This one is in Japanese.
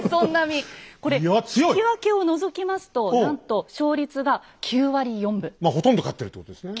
これ引き分けを除きますとなんとまあほとんど勝ってるってことですね。